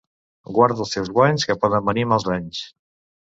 Guarda els teus guanys, que poden venir mals anys.